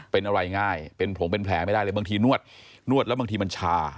เป็นอะไรง่ายเป็นผงเป็นแผลไม่ได้เลยบางทีนวดนวดแล้วบางทีมันชา